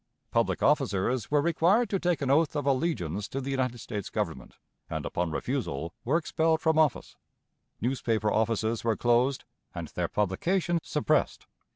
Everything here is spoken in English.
Public officers were required to take an oath of allegiance to the United States Government, and upon refusal were expelled from office. Newspaper offices were closed, and their publication suppressed.